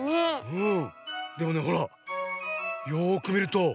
うん！